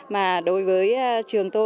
mà đối với các thầy cô giáo